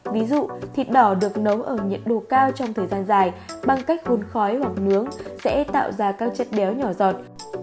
ví dụ thịt đỏ được nấu ở nhiệt độ cao trong thời gian dài bằng cách hun khói hoặc nướng sẽ tạo ra các chất béo nhỏ giọt